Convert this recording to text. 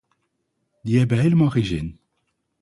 Die hebben helemaal geen zin.